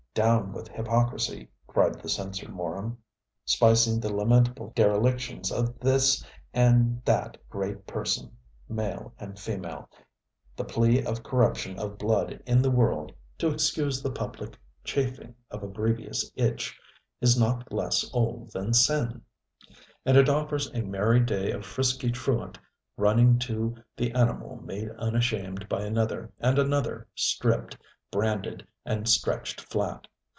down with hypocrisy, cried the censor morum, spicing the lamentable derelictions of this and that great person, male and female. The plea of corruption of blood in the world, to excuse the public chafing of a grievous itch, is not less old than sin; and it offers a merry day of frisky truant running to the animal made unashamed by another and another stripped, branded, and stretched flat.